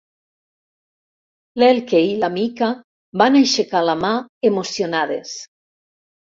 L'Elke i la Mica van aixecar la mà, emocionades.